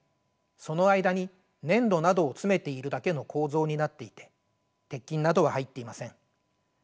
その間に粘土などを詰めているだけの構造になっていて鉄筋などは入っていません。